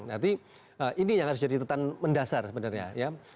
nanti ini yang harus jadi tetan mendasar sebenarnya ya